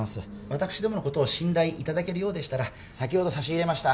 私どものことを信頼いただけるようでしたら先ほど差し入れました